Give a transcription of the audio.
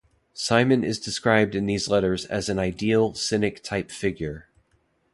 Simon is described in these letters as an ideal Cynic-type figure.